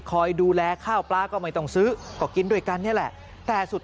คอยดูแลข้าวปลาก็ไม่ต้องซื้อก็กินด้วยกันนี่แหละแต่สุด